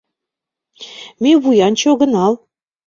Ме вуянче огынал.